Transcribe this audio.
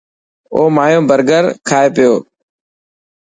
او مايو برگر کائي پيو.